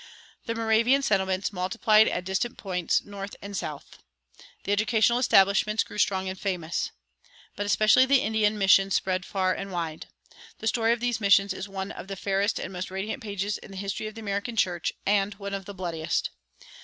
The Moravian settlements multiplied at distant points, north and south. The educational establishments grew strong and famous. But especially the Indian missions spread far and wide. The story of these missions is one of the fairest and most radiant pages in the history of the American church, and one of the bloodiest.